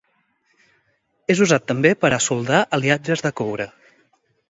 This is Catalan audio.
És usat també per a soldar aliatges de coure.